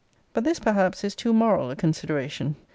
But this, perhaps, is too moral a consideration.